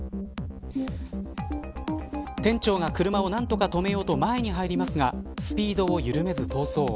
店長が車を何とか止めようと前に入りますがスピードを緩めず逃走。